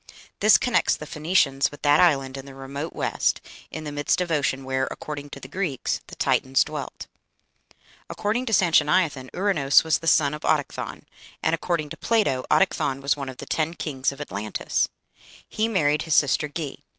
This connects the Phoenicians with that island in the remote west, in the midst of ocean, where, according to the Greeks, the Titans dwelt. According to Sanchoniathon, Ouranos was the son of Autochthon, and, according to Plato, Autochthon was one of the ten kings of Atlantis. He married his sister Ge.